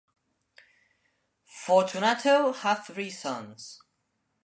Fortunato had three sons.